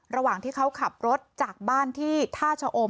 ระหว่างที่เขาขับรถจากบ้านที่ท่าชะอม